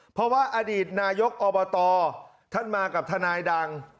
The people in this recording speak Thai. เพราะอดีตนายกออมากับทนายดัง